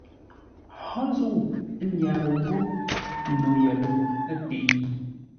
Hó zə̂u nyarə́ ńgó no yəlʉ̂ŋ təi?